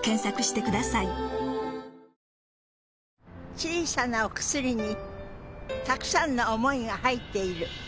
小さなお薬にたくさんの想いが入っている。